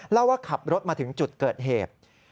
เล่าว่าขับรถมาถึงจุดเกิดเหตุ